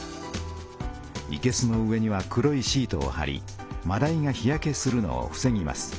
いけすの上には黒いシートをはりまだいが日焼けするのをふせぎます。